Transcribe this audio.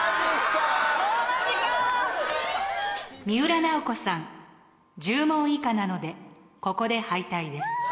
三浦奈保子さん１０問以下なのでここで敗退です。